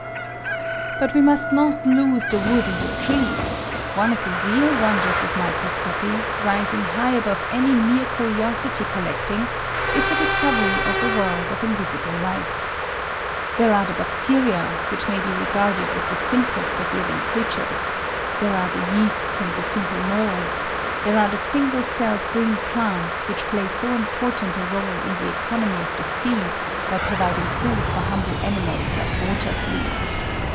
But we must not lose the wood in the trees : one of the real wonders of microscopy, rising high above any mere curiosity collecting, is the discovery of a world of invisible life. There are the bacteria, which may be regarded as the simplest of living creatures; there are the yeasts and the simple moulds; there are the single celled green plants which play so important a role in the economy of the sea by providing food for humble animals like water fleas.